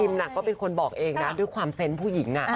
ก็เป็นคนบอกเองนะด้วยความเซนต์ผู้หญิง